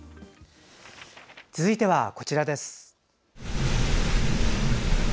続いてはこちらです。